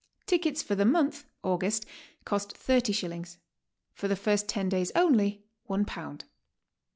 Tickets for the month (August) cost 30 shillings; for the first ten days only, one pound.